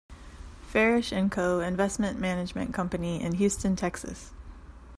Farish and Co. investment management company in Houston, Texas.